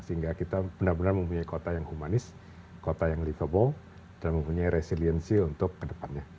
sehingga kita benar benar mempunyai kota yang humanis kota yang livable dan mempunyai resiliensi untuk kedepannya